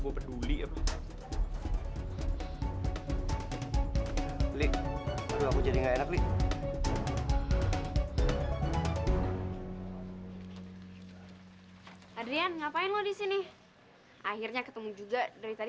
udah balik aja